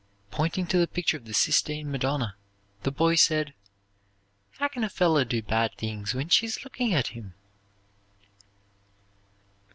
Pointing to the picture of the Sistine Madonna the boy said, "How can a feller do bad things when she's looking at him?"